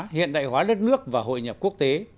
hiện đại hóa đất nước và hội nhập quốc tế